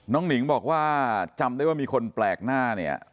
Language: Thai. หนิงบอกว่าจำได้ว่ามีคนแปลกหน้าเนี่ย